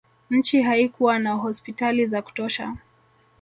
nchi haikuwa na hospitali za kutosha